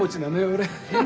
俺。